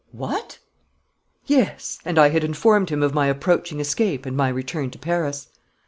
"What!" "Yes; and I had informed him of my approaching escape and my return to Paris."